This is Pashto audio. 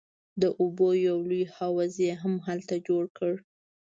د اوبو یو لوی حوض یې هم هلته جوړ کړ.